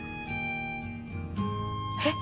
えっ。